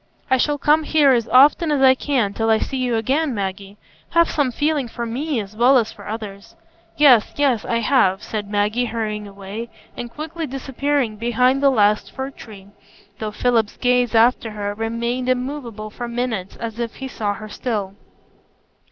"I shall come here as often as I can till I see you again, Maggie. Have some feeling for me as well as for others." "Yes, yes, I have," said Maggie, hurrying away, and quickly disappearing behind the last fir tree; though Philip's gaze after her remained immovable for minutes as if he saw her still.